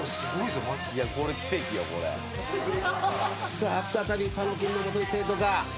さあ再び佐野君の元に生徒が。